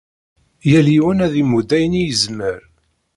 Yal yiwen ad imudd ayen i yezmer.